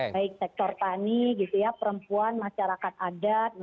baik sektor tani perempuan masyarakat adat masyarakat kejuaraan